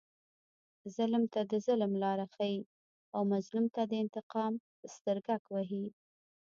ظلم ته د ظلم لاره ښیي او مظلوم ته د انتقام سترګک وهي.